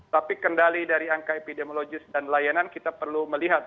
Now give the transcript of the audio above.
tapi kendali dari angka epidemiologis dan layanan kita perlu melihat